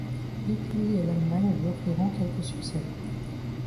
L'Italie et l'Allemagne lui offriront quelques succès.